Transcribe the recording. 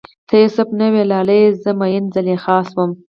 ته یو سف نه وی لالیه، زه میینه زلیخا شوم